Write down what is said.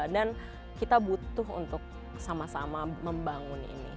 dan kita butuh untuk sama sama membangun ini